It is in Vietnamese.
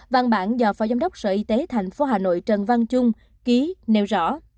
văn bản do phó giám đốc sở y tế thành phố hà nội trần văn chung ký nêu rõ